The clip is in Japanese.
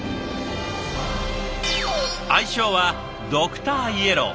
愛称は「ドクターイエロー」。